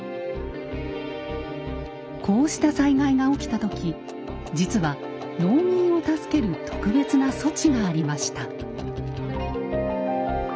こうした災害が起きた時実は農民を助ける特別な措置がありました。